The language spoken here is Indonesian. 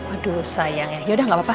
aduh sayang ya udah gak apa apa